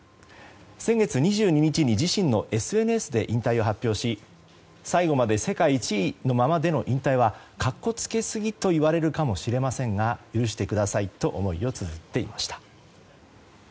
先月２２日に自身のＳＮＳで引退を発表し最後まで世界１位のままでの引退は格好つけすぎといわれるかもしれませんが許してくださいと思いをつづっていました。